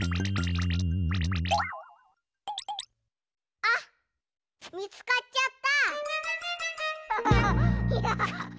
あっみつかっちゃった！